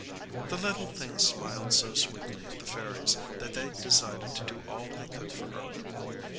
The little thing smiled so sweetly at the fairies that they decided to do all they could for her.